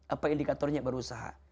apa indikatornya berusaha